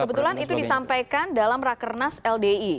kebetulan itu disampaikan dalam rakernas ldi